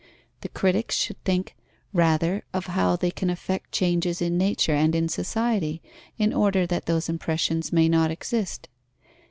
The critics should think rather of how they can effect changes in nature and in society, in order that those impressions may not exist.